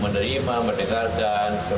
tentu menerima mendengarkan semua